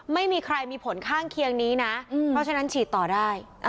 ไม่มีใครมีผลข้างเคียงนี้นะเพราะฉะนั้นฉีดต่อได้